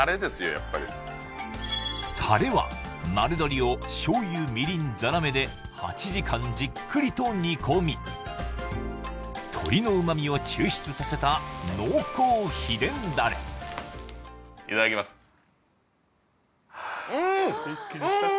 やっぱりタレは丸鶏を醤油みりんザラメで８時間じっくりと煮込み鶏の旨味を抽出させた濃厚秘伝ダレいただきますうーん！